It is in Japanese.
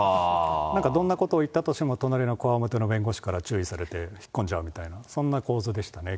なんかどんなことを言ったとしても隣のこわもての弁護士から注意されて引っ込んじゃうみたいな、そんな構図でしたね。